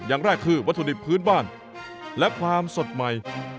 อย่างแรกคือวัตถุดิบพื้นบ้านและความสดใหม่